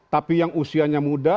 tapi yang usianya muda